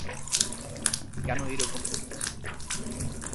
কেন এই রকম করতেছ দিপা?